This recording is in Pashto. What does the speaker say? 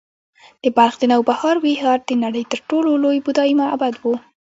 د بلخ د نوبهار ویهار د نړۍ تر ټولو لوی بودایي معبد و